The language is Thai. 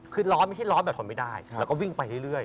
คือร้อนไม่ใช่ร้อนแบบทนไม่ได้แล้วก็วิ่งไปเรื่อย